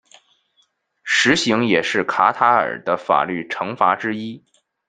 石刑也是卡塔尔的法律惩罚之一。